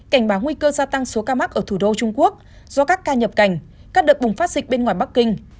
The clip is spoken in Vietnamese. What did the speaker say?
cảnh báo nguy cơ gia tăng số ca mắc ở thủ đô trung quốc do các ca nhập cảnh các đợt bùng phát dịch bên ngoài bắc kinh